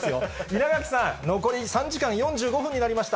稲垣さん、残り３時間４５分になりました。